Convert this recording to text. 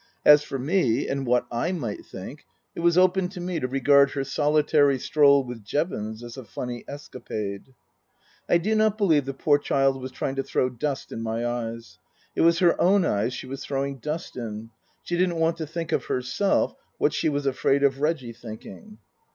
As for me, and what / might think, it was open to me to regard her solitary stroll with Jevons as a funny escapade. I do not believe the poor child was trying to throw dust in my eyes. It was her own eyes she was throwing dust in. She didn't want to think of herself what she was afraid of Reggie thinking.